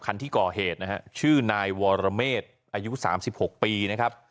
คันที่ก่อเหตุนะฮะชื่อนายวรเมษอายุ๓๖ปีนะครับ